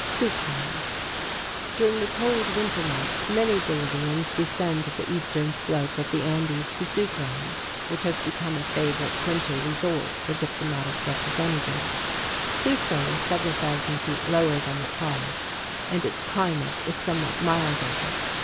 Sucre During the cold winter months, many Bolivians descend the eastern slope of the Andes to Sucre, which has become a favorite winter resort for diplomatic representatives. Sucre is several thousand feet lower than La Paz, and its climate is somewhat milder.